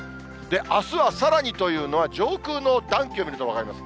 あすはさらにというのは、上空の暖気を見ると分かります。